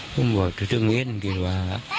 ผมบอกเท่าที่ได้เม็ดก็ดีแหละ